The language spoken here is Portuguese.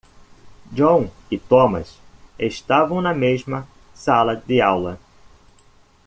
John e Thomas estavam na mesma sala de aula.